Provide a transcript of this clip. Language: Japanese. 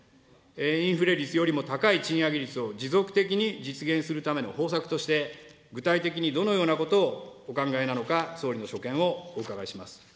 インフレ率よりも高い賃上げ率を持続的に実現するための方策として、具体的にどのようなことをお考えなのか、総理の所見をお伺いします。